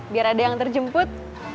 biar ada yang terjemput